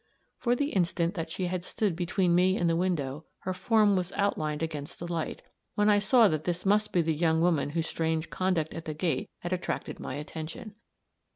For the instant that she had stood between me and the window, her form was outlined against the light, when I saw that this must be the young woman whose strange conduct at the gate had attracted my attention.